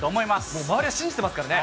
もう周りは信じてますからね。